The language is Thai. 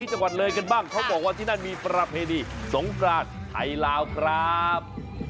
จังหวัดเลยกันบ้างเขาบอกว่าที่นั่นมีประเพณีสงกรานไทยลาวครับ